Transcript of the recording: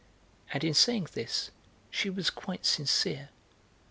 And in saying this she was quite sincere.